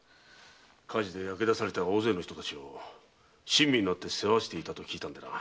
火事で焼け出された大勢の人たちを親身になって世話していたと聞いてな。